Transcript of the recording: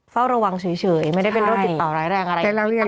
เฝ้าระวังเฉยไม่ได้เป็นโรคติดต่อร้ายแรงอะไร